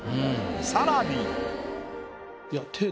さらに。